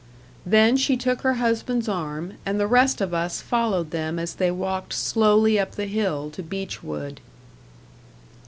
Then she took her husband's arm; and the rest of us followed them as they walked slowly up the hill to Beechwood.